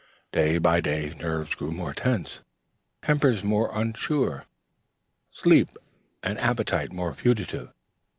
Day by day nerves grew more tense, tempers more unsure, sleep and appetite more fugitive.